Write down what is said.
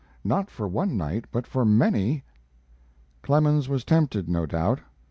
"Not for one night, but for many." Clemens was tempted, no doubt.